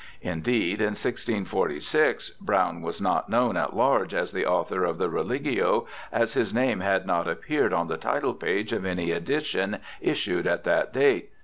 Indeed, in 1646 Browne was not known at large as the author of the Religio, as his name had not appeared on the title page of any edition issued at that date.